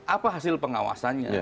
apa hasil pengawasannya